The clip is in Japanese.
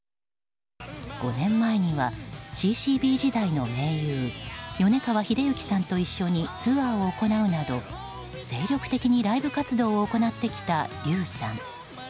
５年前にはＣ‐Ｃ‐Ｂ時代の盟友米川英之さんと一緒にツアーを行うなど精力的にライブ活動を行ってきた笠さん。